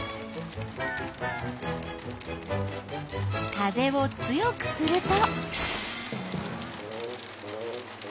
風を強くすると？